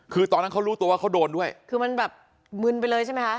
คือตอนนั้นเขารู้ตัวว่าเขาโดนด้วยคือมันแบบมึนไปเลยใช่ไหมคะ